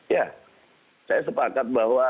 ya saya sepakat bahwa